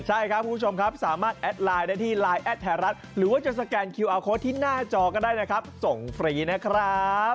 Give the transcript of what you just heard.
ใช่ครับคุณผู้ชมครับสามารถแอดไลน์ได้ที่ไลน์แอดไทยรัฐหรือว่าจะสแกนคิวอาร์โค้ดที่หน้าจอก็ได้นะครับส่งฟรีนะครับ